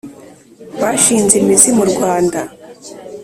Bashinze imizi mu Rwanda.